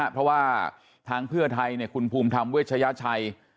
เพราะว่าทางเพื่อไทยคุณภูมิธรรมเวชยชัย